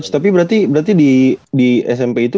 tapi berarti di smp itu